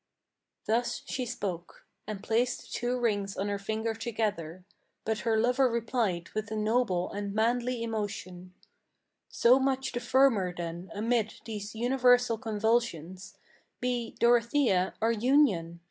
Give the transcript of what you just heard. Thus she spoke, and placed the two rings on her finger together. But her lover replied with a noble and manly emotion: "So much the firmer then, amid these universal convulsions, Be, Dorothea, our union!